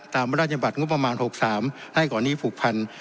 พระราชบัติงบประมาณ๖๓ให้ก่อนนี้ผูกพัน